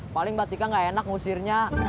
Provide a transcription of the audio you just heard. paling mbak tika enggak enak mengusirnya